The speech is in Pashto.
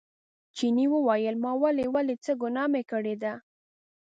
چیني وویل ما ولې ولئ څه ګناه مې کړې ده.